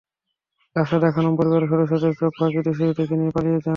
রাশেদা খানম পরিবারের সদস্যদের চোখ ফাঁকি দিয়ে শিশুটিকে নিয়ে পালিয়ে যান।